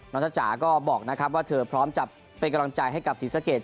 จ้าจ๋าก็บอกนะครับว่าเธอพร้อมจะเป็นกำลังใจให้กับศรีสะเกด